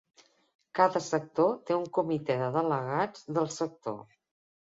Cada sector té un comitè de delegats del sector.